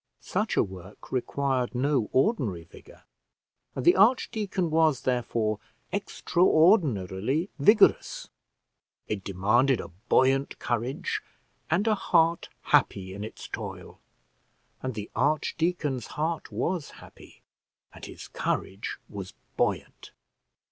Such a work required no ordinary vigour; and the archdeacon was, therefore, extraordinarily vigorous. It demanded a buoyant courage, and a heart happy in its toil; and the archdeacon's heart was happy, and his courage was buoyant.